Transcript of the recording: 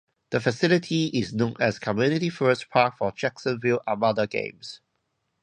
The facility is known as Community First Park for Jacksonville Armada games.